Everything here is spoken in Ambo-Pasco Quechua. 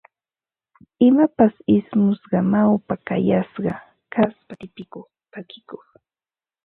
Imapas ismusqa, mawkayasqa kaspa tipikuq, pakikuq